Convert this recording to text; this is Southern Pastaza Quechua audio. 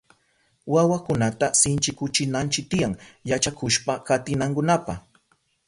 Wawakunata sinchikuchinanchi tiyan yachakushpa katinankunapa.